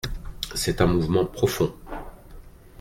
C’est un mouvement profond.